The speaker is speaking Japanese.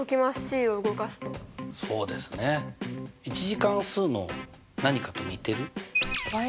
１次関数の何かと似てる？